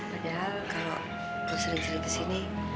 padahal kalau lo sering cerit kesini